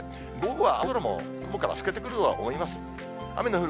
午後は青空も雲から透けてくるとは思います。